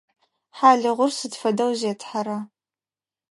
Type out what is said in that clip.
Хьалыгъур сыд фэдэу зетхьэра?